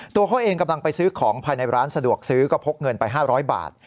ตัวเขาเองกำลังไปซื้อของภายในร้านสะดวกซื้อก็พกเงินไป๕๐๐บาท